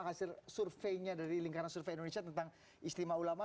hasil surveinya dari lingkaran survei indonesia tentang istimewa ulama